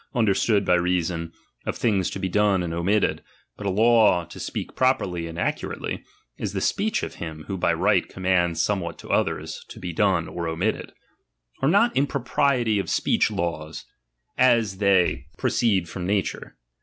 bui Widerstood by reason, of things to be done and^^^^^j omitted ; but a law, to speak properly and accu rately, is the speech of him who by right com mands somewhat to others to be done or omitted), 8re not in propriety of speech laws, as they pro VOL. II. E I %m A 50 LIBEKTY. ceed from nature.